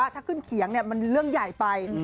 ถ้าขึ้นเขียงมันเรื่องใหญ่ไป